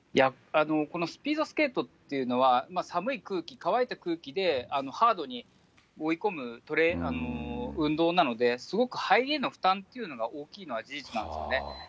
このスピードスケートっていうのは、寒い空気、乾いた空気でハードに追い込む運動なので、すごく肺への負担というのが大きいのは事実なんですよね。